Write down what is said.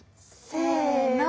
せの。